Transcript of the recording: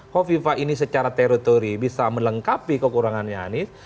kovifah ini secara teritori bisa melengkapi kekurangan anies